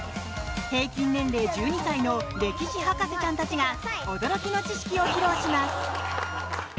平均年齢１２歳の歴史博士ちゃんたちが驚きの知識を披露します。